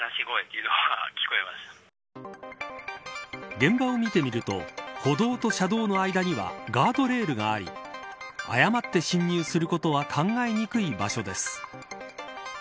現場を見てみると歩道と車道の間にはガードレールがあり誤って侵入することは考えにくい場所です。